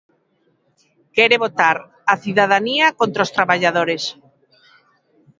Quere botar a cidadanía contra os traballadores.